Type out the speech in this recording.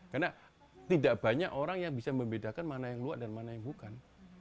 karena tidak banyak orang yang bisa membedakan mana yang luas dan mana yang bukan